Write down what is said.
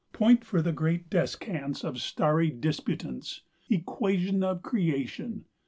Point for the great descants Of starry disputants; Equation Of creation.